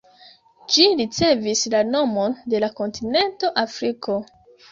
Ĝi ricevis la nomon de la kontinento Afriko.